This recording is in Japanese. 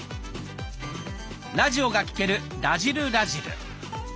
ラジオが聴ける「らじる★らじる」。